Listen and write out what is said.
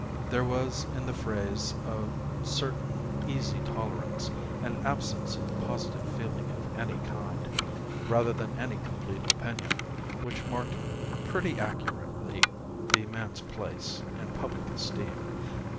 There was in the phrase a certain easy tolerance, an absence of positive feeling of any kind, rather than any complete opinion, which marked pretty accurately the man's place in public esteem.